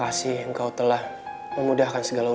dan dia nggak bakal mandang sebelah mata seorang gulandari lagi